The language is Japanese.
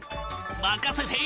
任せて！